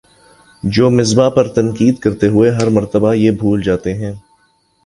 جو مصباح پر تنقید کرتے ہوئے ہر مرتبہ یہ بھول جاتے ہیں